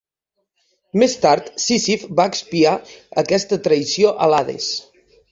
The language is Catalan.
Més tard, Sísif va expiar aquesta traïció a l'Hades.